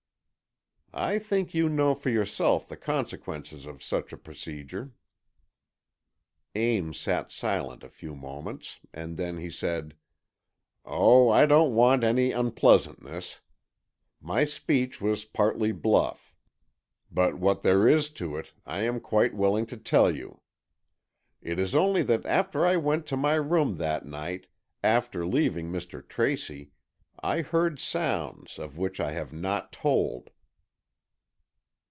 "I think you know for yourself the consequences of such a procedure." Ames sat silent a few moments and then he said: "Oh, I don't want any unpleasantness. My speech was partly bluff, but what there is to it, I am quite willing to tell you. It is only that after I went to my room that night, after leaving Mr. Tracy, I heard sounds, of which I have not told."